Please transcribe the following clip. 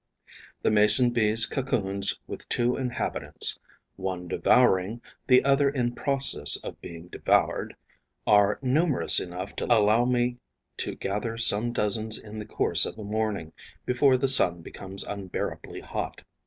The Mason bee's cocoons with two inhabitants, one devouring, the other in process of being devoured, are numerous enough to allow me to gather some dozens in the course of a morning, before the sun becomes unbearably hot.